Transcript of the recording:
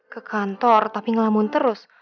ke kantor tapi ngelamun terus